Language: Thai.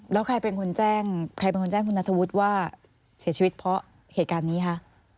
แล้วใครเป็นคนแจ้งคุณนัทวุฒิ์ว่าเสียชีวิตเพราะเหตุการณ์นี้คะ